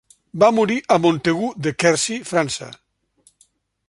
Va morir a Montaigu-de-Quercy, França.